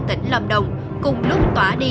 tỉnh lâm đồng cùng lúc tỏa đi